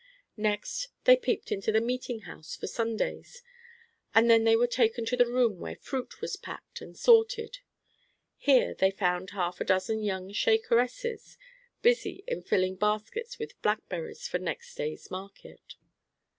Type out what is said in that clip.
Next they peeped into the meeting house for Sundays, and then they were taken to the room where fruit was packed and sorted. Here they found half a dozen young Shakeresses, busy in filling baskets with blackberries for next day's market.